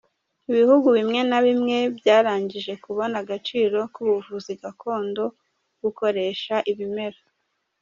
Ibihugu bimwe na bimwe byarangije kubona agaciro k’ubuvuzi gakondo bukoresha ibimera.